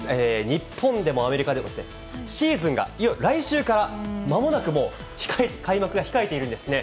日本でもアメリカでも、シーズンが来週から、まもなくもう開幕が控えているんですね。